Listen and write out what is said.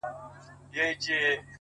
د وخت جلاد ته به د اوښکو په مثال ږغېږم _